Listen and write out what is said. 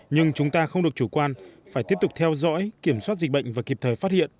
nhưng chúng ta không được chủ quan phải tiếp tục theo dõi kiểm soát dịch bệnh và kịp thời phát hiện